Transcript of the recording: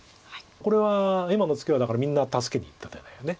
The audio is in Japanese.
これは今のツケはだからみんな助けにいった手だよね。